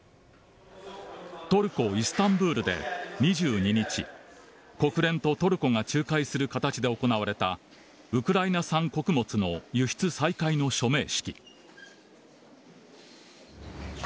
トルコ・イスタンブールで２２日国連とトルコが仲介する形で行われたウクライナ産穀物の輸出再開の署名式。